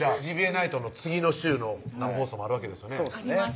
ナイトの次の週の生放送もあるわけですよねあります